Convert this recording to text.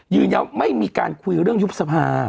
ยืนยันว่าไม่มีการคุยเรื่องยุบสภา